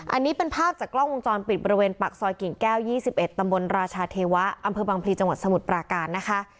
อันนี้เป็นภาพจากกล้องวงจรปิดบริเวณปากซอยกิ่งแก้ว๒๑ตำบลราชาเทวะอำเภอบังพลีจังหวัดสมุทรปราการนะคะ